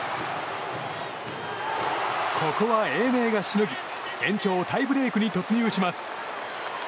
ここは英明がしのぎ延長タイブレークに突入します。